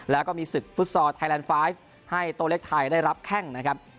แล้วก็มีศึกฟุตซอร์ไทยแลนด์ไฟล์ให้โตเล็กไทยได้รับแข้งนะครับ